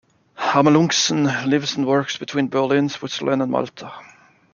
Amelunxen lives and works between Berlin, Switzerland and Malta.